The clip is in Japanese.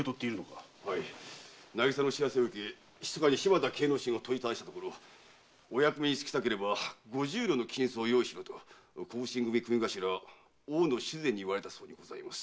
はい渚の知らせを受けひそかに柴田計之進を問いただしたところお役目につきたければ五十両の金子を用意しろと小普請組組頭・大野主膳に言われたそうにございます。